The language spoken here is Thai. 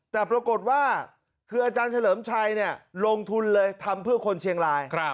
แต่ปรากฏว่าคืออาจารย์เฉลิมชัยลงทุนเลยทำเพื่อคนเชียงราย